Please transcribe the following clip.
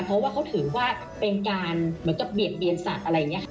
เพราะว่าเขาถือว่าเป็นการเหมือนกับเบียดเบียนสัตว์อะไรอย่างนี้ค่ะ